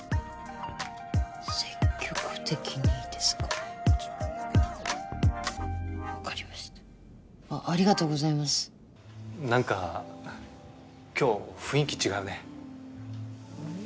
積極的にですか分かりましたあっありがとうございますなんか今日雰囲気違うねうん？